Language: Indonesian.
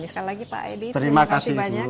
sekali lagi pak edi terima kasih banyak